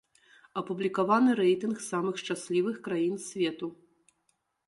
Апублікаваны рэйтынг самых шчаслівых краін свету.